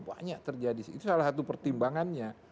banyak terjadi itu salah satu pertimbangannya